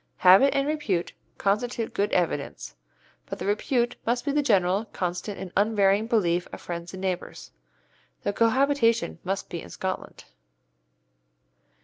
'Habit and repute' constitute good evidence, but the repute must be the general, constant, and unvarying belief of friends and neighbours. The cohabitation must be in Scotland.